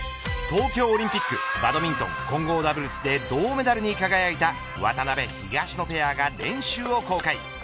東京オリンピックバドミントン混合ダブルスで銅メダルに輝いた渡辺、東野ペアが練習を公開。